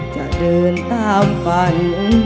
จะเดินตามฝัน